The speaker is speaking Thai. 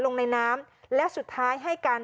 ลงในน้ำและสุดท้ายให้การ